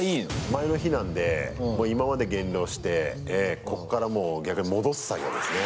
前の日なんでもう今まで減量してええ、こっからもう逆に戻す作業ですね。